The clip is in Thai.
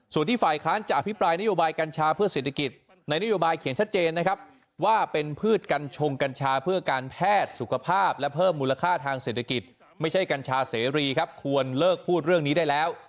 ส่วนที่ฝ่ายค้านจะอภิปรายนโยบายกัญชาเพื่อเศรษฐกิจในนโยบายเขียนชัดเจนนะครับว่าเป็นพืชกัญชงกัญชาเพื่อการแพทย์สุขภาพและเพิ่มมูลค่าทางเศรษฐกิจไม่ใช่กัญชาเสรีครับควรเลิกพูดเรื่องนี้ได้แล้ว